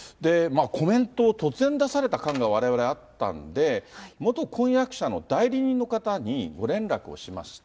コメントを突然出された感が、われわれあったんで、元婚約者の代理人の方にご連絡をしました。